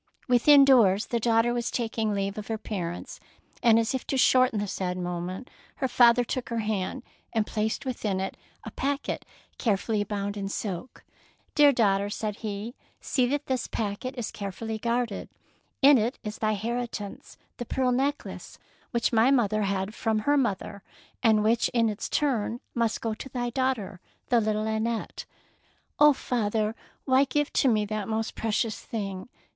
Within doors the daughter was tak ing leave of her parents, and as if to shorten the sad moment, her father took her hand, and placed within it a packet carefully bound in silk. " Dear daughter," said he, " see that this packet is carefully guarded. In it is thy heritance, the pearl necklace which my mother had from her 139 DEEDS OF DAEING mother, and which in its turn must go to thy daughter, the little Annette.'' Oh, father, why give to me that most precious thing!